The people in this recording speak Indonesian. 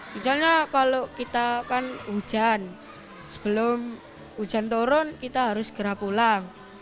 bencana kalau kita kan hujan sebelum hujan turun kita harus gerak pulang